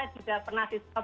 di singapura pernah di stop